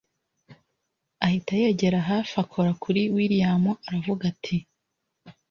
ahita yegera hafi akora kuri william aravuga ati